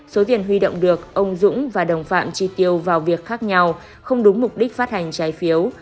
số tiền huy động được ông dũng và đồng phạm chi tiêu vào việc khác nhau không đúng mục đích phát hành trái phiếu